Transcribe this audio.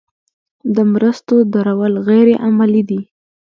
د مرستو درول غیر عملي دي.